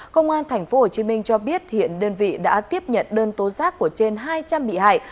công an tp hcm cho biết hiện đơn vị đã tiếp nhận đơn tố giác của trên hai trăm linh bị hại